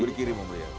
beri kirimu beli